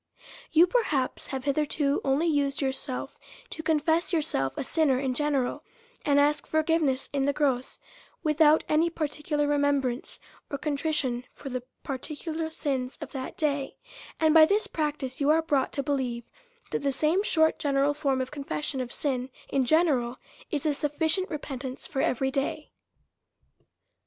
You, perhaps, have hitherto only Used yourself to confess yourself a sinner in general, and asked forgive ness in the gross, without any particular remembrance, or contrition for the particular sins of that day ; and, by this practice, you are brought to believe that the same short, general form of confession of sin in gene ral is a sufficient repentance for every day.